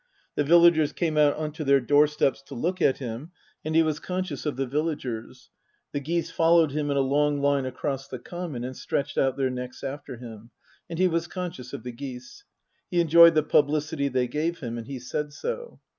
The villagers came out on to their doorsteps to look at him, and he was conscious of the villagers. The geese followed him in a long line across the common and stretched out their necks after him, and he was conscious of the geese. He enjoyed the publicity they gave him, and he said so.